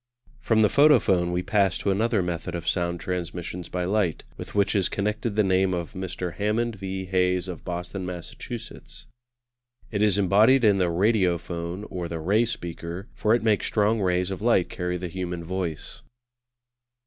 From the Photophone we pass to another method of sound transmission by light, with which is connected the name of Mr. Hammond V. Hayes of Boston, Massachusetts. It is embodied in the Radiophone, or the Ray speaker, for it makes strong rays of light carry the human voice.